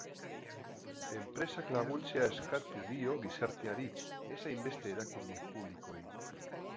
Enpresak laguntzea eskatu dio gizarteari, ez hainbeste erakunde publikoei.